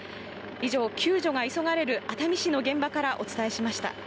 以上、救助が急がれる熱海市の現場からお伝えしました。